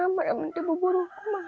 mama tidak mau berburu